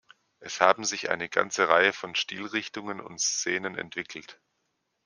Es haben sich eine ganze Reihe von Stilrichtungen und Szenen entwickelt.